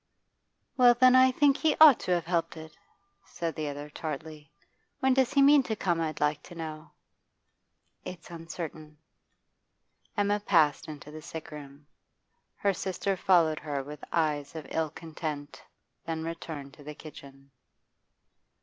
'Well, then, I think he ought to have helped it,' said the other tartly. 'When does he mean to come, I'd like to know?' 'It's uncertain.' Emma passed into the sick room. Her sister followed her with eyes of ill content, then returned to the kitchen.